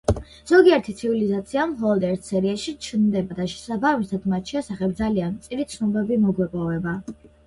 ზოგიერთი ცივილიზაცია მხოლოდ ერთ სერიაში ჩნდება და, შესაბამისად, მათ შესახებ ძალიან მწირი ცნობები მოგვეპოვება.